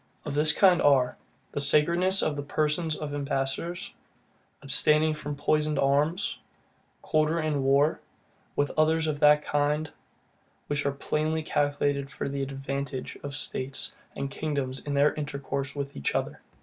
Of this kind are, the sacredness of the person of ambassadors, abstaining from poisoned arms, quarter in war, with others of that kind, which are plainly calculated for the ADVANTAGE of states and kingdoms in their intercourse with each other.